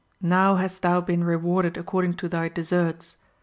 now hast thou been rewarded according to thy deserts.